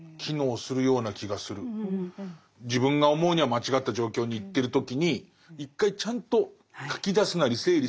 自分が思うには間違った状況に行ってる時に一回ちゃんと書き出すなり整理整頓していくところからだね。